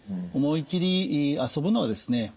思い切り遊ぶのはですね